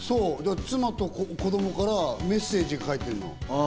妻と子供からメッセージが書いてあるの。